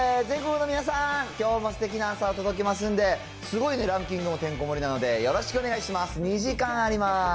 全国の皆さん、きょうもすてきな朝を届けますんで、すごいランキングもてんこ盛りなんで、よろしくお願いします。